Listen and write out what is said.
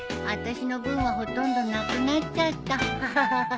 あたしの分はほとんどなくなっちゃったハハハ。